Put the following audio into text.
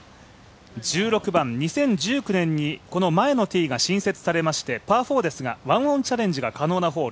１６番、２０１９年に前のティーが新設されまして、パー４ですが１オンチャレンジが可能なホール。